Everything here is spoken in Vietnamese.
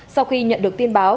sau khi nhận được tin báo